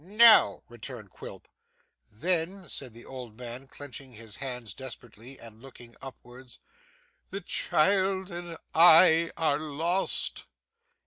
'No!' returned Quilp. 'Then,' said the old man, clenching his hands desperately, and looking upwards, 'the child and I are lost!